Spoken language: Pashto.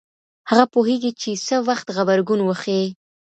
هغه پوهیږي چي څه وخت غبرګون وښيي.